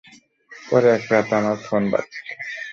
পরে, এক রাতে আমার ফোন বাজছে।